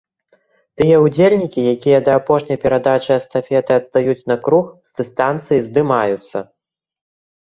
Тыя ўдзельнікі, якія да апошняй перадачы эстафеты адстаюць на круг, з дыстанцыі здымаюцца.